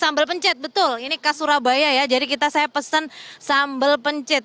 sambel pencit betul ini ke surabaya ya jadi kita saya pesen sambel pencit